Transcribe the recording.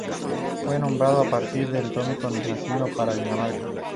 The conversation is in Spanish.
Fue nombrado a partir del topónimo latino para Dinamarca.